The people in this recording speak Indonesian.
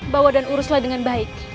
bawa dan uruslah dengan baik